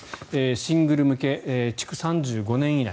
シングル向け、築３５年以内。